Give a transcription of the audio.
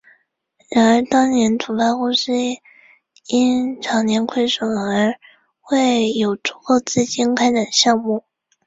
然而当年土发公司因长年亏损而未有足够资金展开项目。